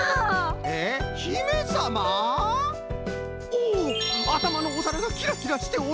えっひめさま？おっあたまのおさらがキラキラしておる！